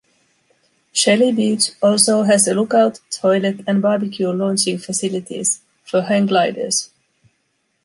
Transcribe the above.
Shelley Beach also has a look-out, toilet and barbecue launching facilities for hang-gliders.